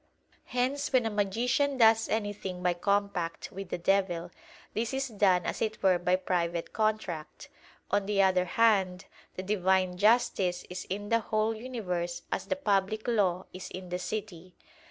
Hence when a magician does anything by compact with the devil, this is done as it were by private contract. On the other hand, the Divine justice is in the whole universe as the public law is in the city.